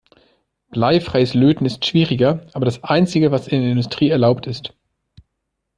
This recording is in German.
Bleifreies Löten ist schwieriger, aber das einzige, was in der Industrie erlaubt ist.